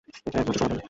এটাই একমাত্র সমাধান।